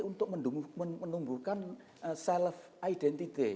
untuk menumbuhkan self identity